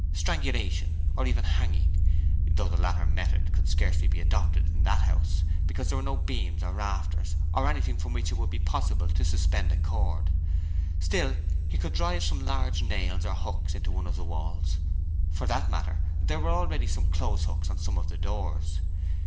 Strangulation or even hanging, though the latter method could scarcely be adopted in that house, because there were no beams or rafters or anything from which it would be possible to suspend a cord. Still, he could drive some large nails or hooks into one of the walls. For that matter, there were already some clothes hooks on some of the doors.